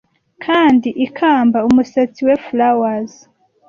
Kandi ikamba umusatsi we flowers--